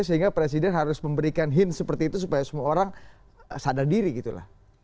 sehingga presiden harus memberikan hint seperti itu supaya semua orang sadar diri gitu lah